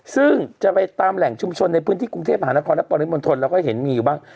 ซึ่งจะไปตามแหล่งชุมชนในพื้นที่กรุงเทพมหานครและปริมณฑลเราก็เห็นมีอยู่บ้าง